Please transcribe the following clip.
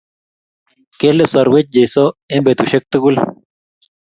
Kele soruech Jesu en betushek tugul